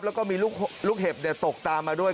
แล้วก็มีลูกเห็บตกตามมาด้วย